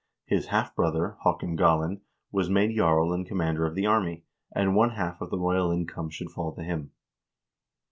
His half brother, Haakon Galin, was made jarl and com mander of the army, and one half of the royal income should fall to him.